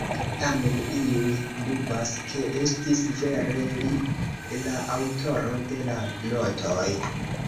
Tamen iuj dubas, ke estis vere li la aŭtoro de la notoj.